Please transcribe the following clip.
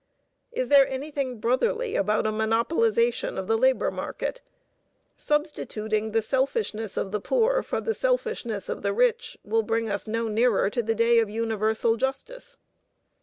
Is there anything brotherly about a monopolization of the labor market? Substituting the selfishness of the poor for the selfishness of the rich will bring us no nearer the day of universal justice.